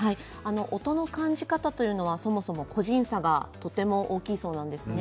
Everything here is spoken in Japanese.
音の感じ方は、そもそも個人差がとても大きいそうなんですね。